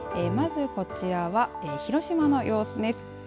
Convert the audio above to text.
まず、こちらは広島の様子です。